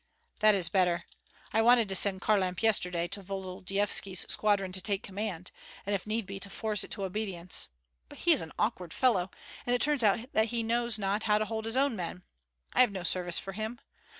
"That is better. I wanted to send Kharlamp yesterday to Volodyovski's squadron to take command, and if need be force it to obedience; but he is an awkward fellow, and it turns out that he knows not how to hold his own men. I have no service for him.